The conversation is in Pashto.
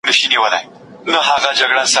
عمرونه وسول په تیارو کي دي رواني جرګې